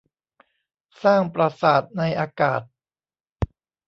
สร้างปราสาทในอากาศ